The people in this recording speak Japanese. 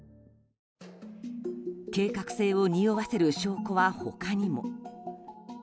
計画性をにおわせる証拠は他にも。